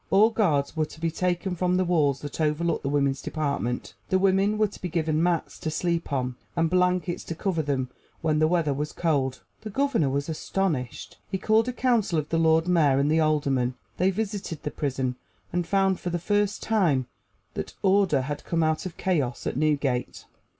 All guards were to be taken from the walls that overlooked the women's department. The women were to be given mats to sleep on, and blankets to cover them when the weather was cold. The Governor was astonished! He called a council of the Lord Mayor and the Aldermen. They visited the prison, and found for the first time that order had come out of chaos at Newgate.